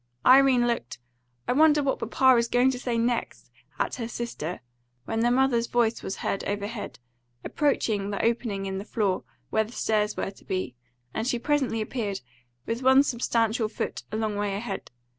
Irene looked "I wonder what papa is going to say next!" at her sister, when their mother's voice was heard overhead, approaching the opening in the floor where the stairs were to be; and she presently appeared, with one substantial foot a long way ahead.